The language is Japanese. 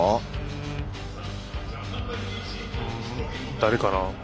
誰かな？